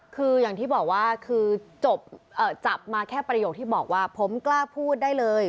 คืออย่างที่บอกว่าคือจับมาแค่ประโยคที่บอกว่าผมกล้าพูดได้เลย